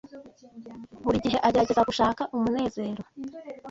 Buri gihe agerageza gushaka umunezero.